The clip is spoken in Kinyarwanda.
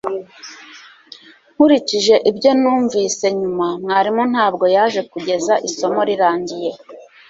Nkurikije ibyo numvise nyuma, mwarimu ntabwo yaje kugeza isomo rirangiye